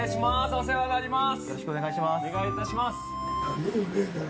お世話になります。